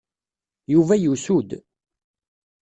Yuba yusu-d.